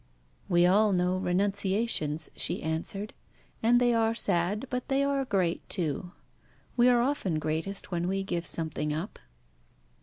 "We all know renunciations," she answered. "And they are sad, but they are great too. We are often greatest when we give something up."